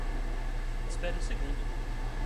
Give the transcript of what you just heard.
Espere um segundo.